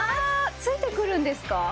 付いてくるんですか？